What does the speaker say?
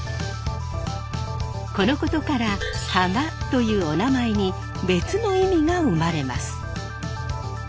このことから浜というおなまえに別の意味が生まれます。